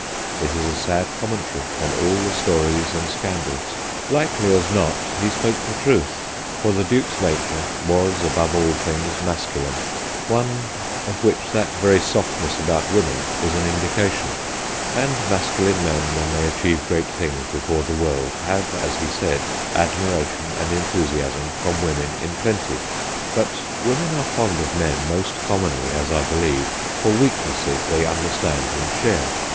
It is a sad commentary on all the stories and scandals. Likely as not, he spoke the truth. For the Duke's nature was above all things masculine, one of which that very softness about women is an indication ; and masculine men, when they achieve great things before the world, have, as he said, admiration and enthusiasm from women in plenty : but women are fond of men most commonly, as I believe, for weak nesses they understand and share.